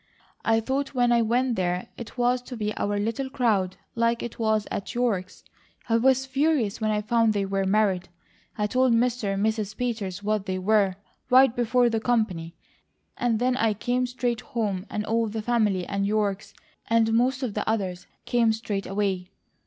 I thought when I went there it was to be our little crowd like it was at York's. I was furious when I found they were married. I told Mr. and Mrs. Peters what they were, right before the company, and then I came straight home and all the family, and York's, and most of the others, came straight away.